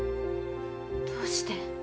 どうして？